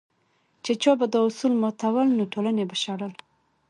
چې چا به دا اصول ماتول نو ټولنې به شړل.